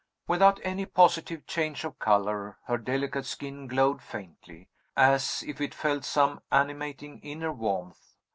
Without any positive change of color, her delicate skin glowed faintly, as if it felt some animating inner warmth.